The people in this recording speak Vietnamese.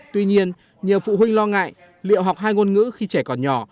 tuy nhiên nhiều phụ huynh lo ngại liệu học hai ngôn ngữ khi trẻ còn nhỏ